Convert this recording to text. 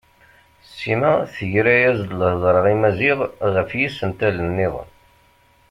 Sima tegra-as-d lhedra i Maziɣ ɣef yisental-nniḍen.